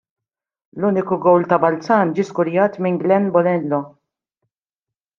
L-uniku gowl ta' Balzan ġie skurjat minn Glenn Bonello.